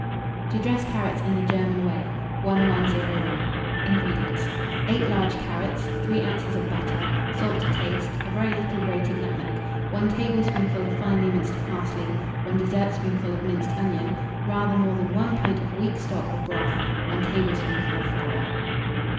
TO DRESS CARROTS IN THE GERMAN WAY. 1101. INGREDIENTS. 8 large carrots, 3 oz. of butter, salt to taste, a very little grated nutmeg, 1 tablespoonful of finely minced parsley, 1 dessertspoonful of minced onion, rather more than 1 pint of weak stock or broth, 1 tablespoonful of flour.